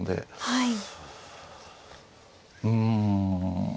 はい。